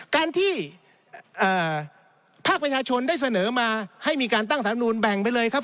การที่ภาคประชาชนได้เสนอมาให้มีการตั้งสารธรรมนูลแบ่งไปเลยครับ